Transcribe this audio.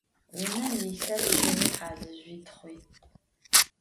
Vunem yilhep şığui, halığui, txhui.